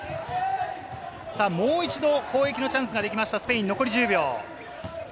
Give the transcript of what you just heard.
もう一度、攻撃のチャンスができましたスペイン、残り１０秒。